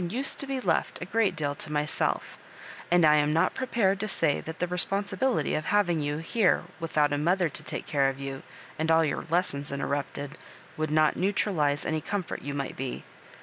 used to be left a great deal to myself; and I am not prepared to say that the responsibility of having you here without a mother to take care of you, and all your lessons interrupted, would not neutralize any comfort you might be.